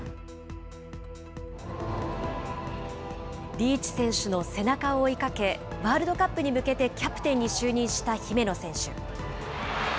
リーチ選手の背中を追いかけ、ワールドカップに向けてキャプテンに就任した姫野選手。